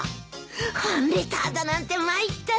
ファンレターだなんて参ったなぁ。